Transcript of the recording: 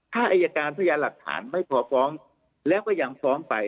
ถ้าอายการพยานหลักฐานไม่พอฟ้องแล้วก็ยังฟ้องไป